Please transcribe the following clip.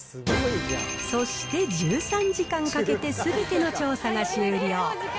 そして１３時間かけてすべての調査が終了。